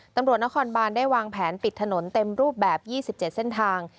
ตำรวจนครบานได้วางแผนปิดถนนเต็มรูปแบบ๒๗เส้นทาง